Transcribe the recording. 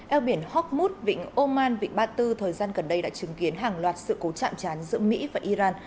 eo biển hockmout vịnh oman vịnh ba tư thời gian gần đây đã chứng kiến hàng loạt sự cố chạm chán giữa mỹ và iran